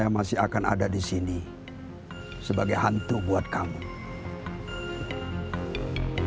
karena kamu tidak bisa berbuat apa apa